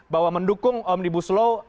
bahwa mendukung om dibu slow